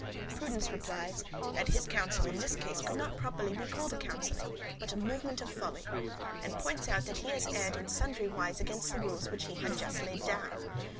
Prudence replies that his counsel in this case could not properly be called a counselling, but a movement of folly; and points out that he has erred in sundry wise against the rules which he had just laid down.